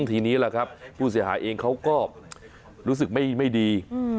ทีนี้ล่ะครับผู้เสียหายเองเขาก็รู้สึกไม่ดี